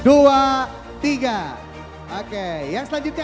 oke yang selanjutnya